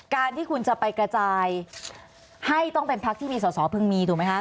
การที่คุณจะไปกระจายให้ต้องเป็นพักที่มีสอสอพึงมีถูกไหมคะ